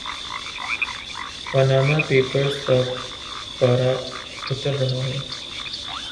Panama Papers کا پارہ اتر رہا ہے۔